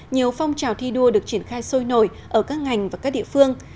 nhiều phong trào thi đua được triển khai sôi nổi ở các ngành và các địa phương